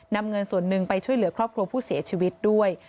นำเงินส่วนหนึ่งไปช่วยเหลือครอบครัวผู้เสียชีวิตด้วย